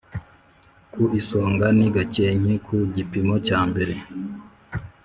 ku isonga ni Gakenke ku gipimo cya mbere